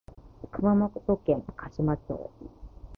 熊本県嘉島町